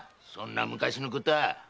そんな昔のことは。